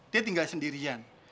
dia tinggal sendirian